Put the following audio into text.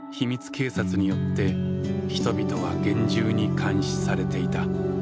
警察によって人々は厳重に監視されていた。